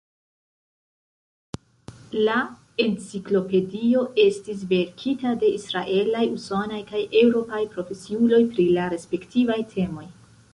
La enciklopedio estis verkita de israelaj, usonaj kaj eŭropaj profesiuloj pri la respektivaj temoj.